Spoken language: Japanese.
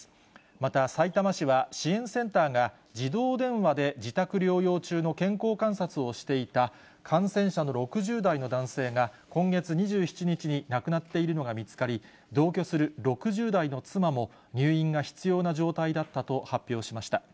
またさいたま市は、支援センターが自動電話で自宅療養中の健康観察をしていた感染者の６０代の男性が、今月２７日に亡くなっているのが見つかり、同居する６０代の妻も、入院が必要な状態だったと発表しました。